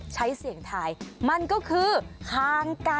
ใช้เสียงไทยมันก็คือฮางไก่ค่ะ